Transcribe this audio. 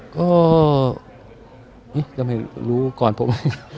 ก็จะไม่รู้ก่อนผม